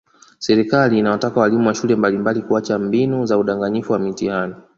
Serikali inawataka walimu wa shule mbalimbali kuacha mbinu za udanganyifu wa mitihani